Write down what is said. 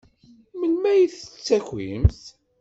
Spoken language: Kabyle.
Melmi ay d-tettakimt?